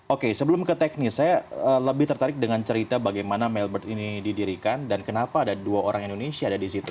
oke sebelum ke teknis saya lebih tertarik dengan cerita bagaimana mailbird ini didirikan dan kenapa ada dua orang indonesia ada di situ